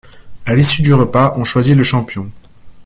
À l'issue du repas, on choisit le champion.